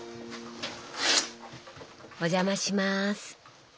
お邪魔します。